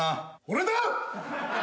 俺だ！